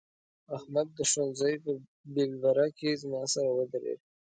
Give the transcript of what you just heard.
احمد د ښوونځي په بېلبره کې زما سره ودرېد.